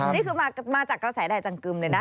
นี่คือมาจากกระแสใดจังกึมเลยนะ